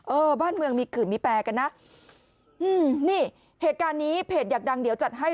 เออบ้านเมืองมีขื่อมีแปรกันนะอืมนี่เหตุการณ์นี้เพจอยากดังเดี๋ยวจัดให้